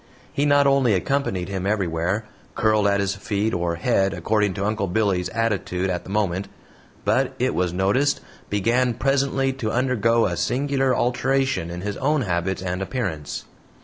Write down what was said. He not only accompanied him everywhere, curled at his feet or head according to Uncle Billy's attitude at the moment, but, it was noticed, began presently to undergo a singular alteration in his own habits and appearance.